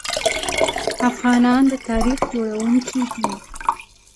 افغانان د تاریخ جوړونکي دي.